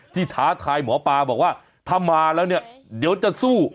ท้าทายหมอปลาบอกว่าถ้ามาแล้วเนี่ยเดี๋ยวจะสู้